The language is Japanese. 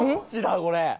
これ。